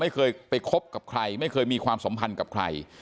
ไม่เคยไปคบกับใครไม่เคยมีความสัมพันธ์กับใคร